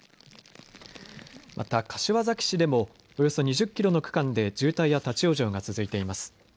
また柏崎市でもおよそ２０キロの区間で渋滞や立往生が続いています。